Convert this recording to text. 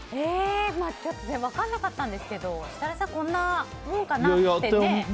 ちょっと分かんなかったんですけど設楽さん、こんなもんかなってね。